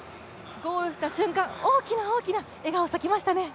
ゴールした瞬間、大きな大きな笑顔、咲きましたね。